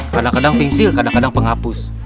kadang kadang pingsil kadang kadang penghapus